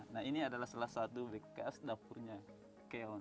nah ini adalah salah satu bekas dapurnya keon